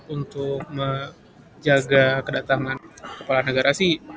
untuk menjaga kedatangan kepala negara sih